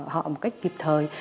họ một cách kịp thời